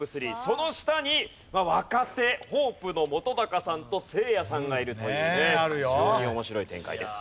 その下に若手ホープの本さんとせいやさんがいるというね非常に面白い展開です。